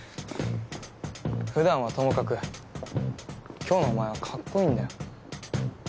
ふだんはともかく今日のお前はかっこいいんだよ。